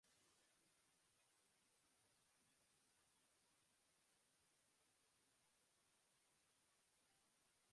ঘরোয়া প্রথম-শ্রেণীর ইংরেজ কাউন্টি ক্রিকেটে সারের প্রতিনিধিত্ব করেছেন তিনি।